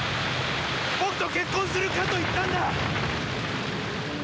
僕と結婚するかと言ったんだ！